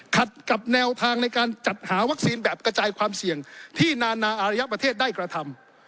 ขัดกับแนวทางในการจัดหาวัคซีนแบบกระจายความเสี่ยงที่นานาอารยประเทศได้กระทำ